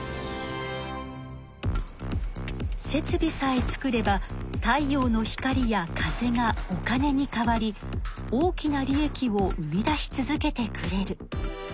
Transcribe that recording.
設備さえ作れば太陽の光や風がお金に変わり大きな利益を生み出し続けてくれる。